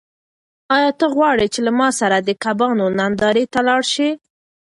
آیا ته غواړې چې له ما سره د کبانو نندارې ته لاړ شې؟